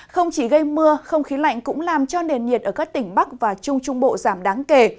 không chỉ gây mưa không khí lạnh cũng làm cho nền nhiệt ở các tỉnh bắc và trung trung bộ giảm đáng kể